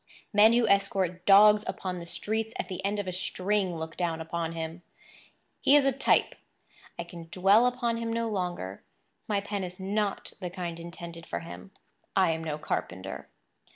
Men who escort dogs upon the streets at the end of a string look down upon him. He is a type; I can dwell upon him no longer; my pen is not the kind intended for him; I am no carpenter.